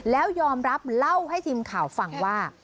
แล้วยอมรับเล่าให้ทีมข่าวฟังว่า